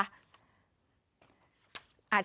อาทิตย์